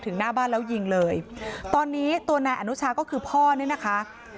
หน้าบ้านแล้วยิงเลยตอนนี้ตัวนายอนุชาก็คือพ่อเนี่ยนะคะ